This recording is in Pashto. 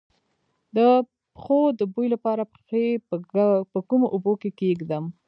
د پښو د بوی لپاره پښې په کومو اوبو کې کیږدم؟